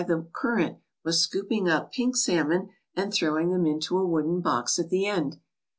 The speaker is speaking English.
IN THE YUKON FLATS current, was scooping up pink salmon and throwing them into a wooden box at the end.